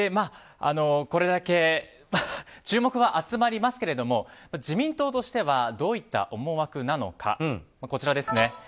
これだけ注目が集まりますが自民党としてはどういった思惑なのか、こちら。